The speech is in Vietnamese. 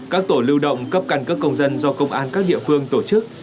các tổ lưu động cấp căn cấp công dân do công an các địa phương tổ chức